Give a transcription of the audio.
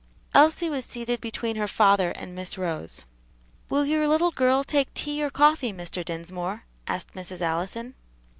Elsie was seated between her father and Miss Rose. "Will your little girl take tea or coffee, Mr. Dinsmore?" asked Mrs. Allison.